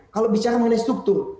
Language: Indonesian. kalau bicara mengenai struktur